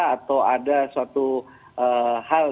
atau ada suatu hal